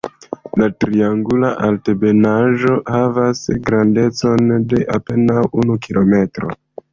La triangula altebenaĵo havas grandecon de apenaŭ unu kilometro.